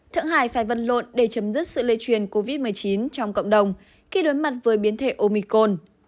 thượng hải phải vân lộn để chấm dứt sự lây truyền covid một mươi chín trong cộng đồng khi đối mặt với biến thể omicon